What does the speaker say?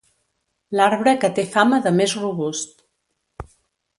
L'arbre que té fama de més robust.